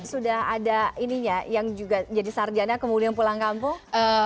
sudah ada ininya yang juga jadi sarjana kemudian pulang kampung